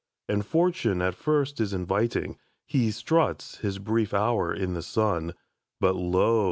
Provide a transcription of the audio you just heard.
And fortune at first is inviting He struts his brief hour in the sun But, lo!